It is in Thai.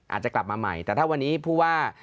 อาจจะกลับมาใหม่แต่ถ้าวันนี้ผู้ว่า